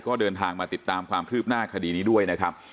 ก็เดินทางมาติดตามความคืบหน้าคดีนี้ด้วยนะครับ